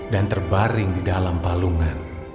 dan terbaring di dalam palungan